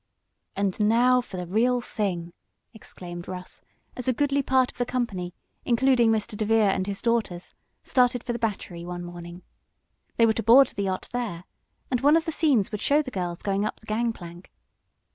"And now for the real thing!" exclaimed Russ, as a goodly part of the company, including Mr. DeVere and his daughters, started for the Battery one morning. They were to board the yacht there, and one of the scenes would show the girls going up the gang plank.